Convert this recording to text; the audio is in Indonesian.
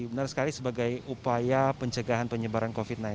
benar sekali sebagai upaya pencegahan penyebaran covid sembilan belas